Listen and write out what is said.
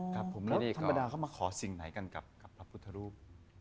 ครับผมแล้วธรรมดาเขามาขอสิ่งไหนกันกับพระพุทธรูป